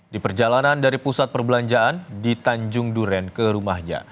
di perjalanan dari pusat perbelanjaan di tanjung duren ke rumahnya